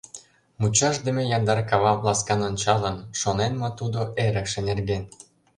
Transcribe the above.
Мучашдыме яндар кавам ласкан ончалын, Шонен мо тудо эрыкше нерген?!